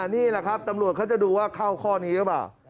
นี่แหละครับตำรวจเขาจะดูว่าเข้าข้อนี้หรือเปล่า